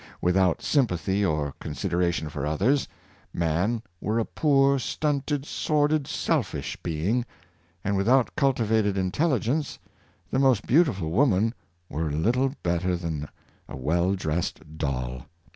Without sympathy or consideration for others, man were a poor, stunted, sor did, selfish being; and without cultivated intelligence, the most beautiful woman were little better than a well dressed doll.